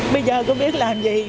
bây giờ có biết làm gì